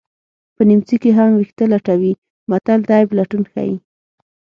په نیمڅي کې هم ویښته لټوي متل د عیب لټون ښيي